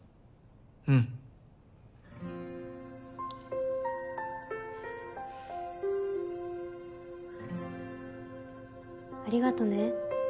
うん。ありがとね。